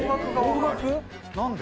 何で？